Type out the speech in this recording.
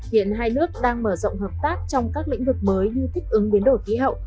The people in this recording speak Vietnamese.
hiện hai nước đang mở rộng hợp tác trong các lĩnh vực mới như thích ứng biến đổi khí hậu